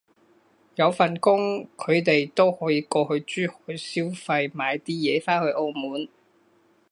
有份工，佢哋都可以過去珠海消費買啲嘢返去澳門